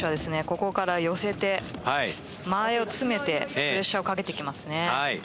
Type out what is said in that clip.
ここから寄せて間合いをつめてプレッシャーをかけてきますね。